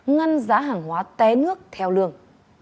ngăn giá hàng hóa té nước theo lương